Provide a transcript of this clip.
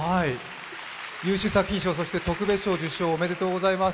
優秀作品賞、そして特別賞受賞おめでとうございます。